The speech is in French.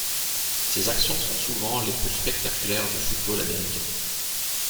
Ces actions sont souvent les plus spectaculaires du football américain.